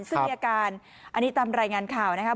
ซึ่งมีอาการอันนี้ตามรายงานข่าวนะครับ